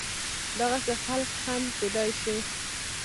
دغسې خلق هم کيدی شي